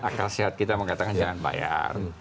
akal sehat kita mengatakan jangan bayar